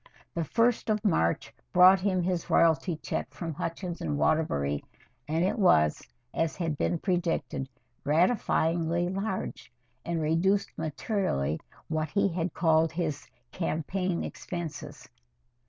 The first of March brought him his royalty check from Hutchins & Waterbury, and it was, as had been predicted, gratifyingly large, and reduced materially what he had called his "campaign expenses."